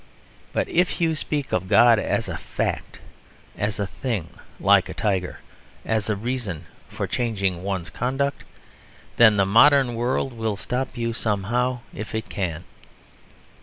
But if you speak of God as a fact, as a thing like a tiger, as a reason for changing one's conduct, then the modern world will stop you somehow if it can.